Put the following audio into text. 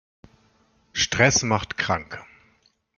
Stress macht krank.